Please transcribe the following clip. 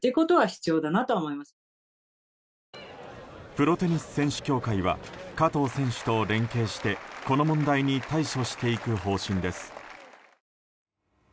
プロテニス選手協会は加藤選手と連携してこの問題に対処していく方針です。